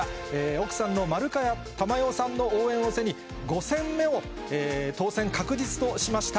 奥さんの丸川珠代さんの応援を背に、５戦目を当選確実としました。